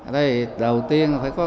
đây đầu tiên phải có